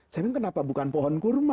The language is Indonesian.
saya bilang kenapa bukan pohon kurma